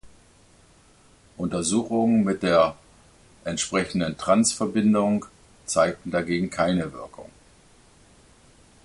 Untersuchungen mit der entsprechenden "trans"-Verbindung zeigten dagegen keine Wirkung.